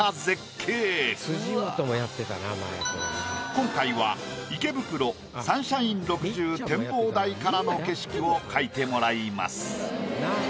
今回は池袋・サンシャイン６０展望台からの景色を描いてもらいます。